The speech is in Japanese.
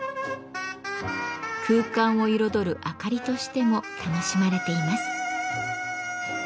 空間を彩るあかりとしても楽しまれています。